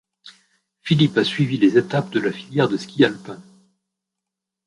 Philippe a suivi les étapes de la filière de ski alpin.